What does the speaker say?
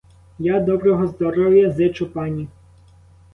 Я доброго здоров'я зичу пані.